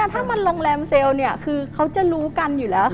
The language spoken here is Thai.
ถ้ามันโรงแรมเซลล์เนี่ยคือเขาจะรู้กันอยู่แล้วค่ะ